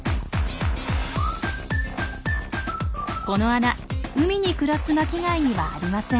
この穴海に暮らす巻貝にはありません。